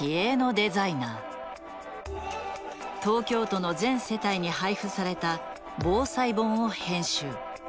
東京都の全世帯に配付された防災本を編集。